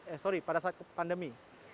eh sorry pada saat pandemi